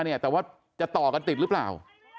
แต่ว่าจะต่อกันติดหรือเปล่า